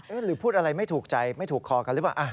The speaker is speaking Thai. หรือพูดอะไรไม่ถูกใจไม่ถูกคอกันหรือเปล่า